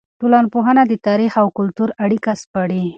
ټولنپوهنه د تاریخ او کلتور اړیکه سپړي.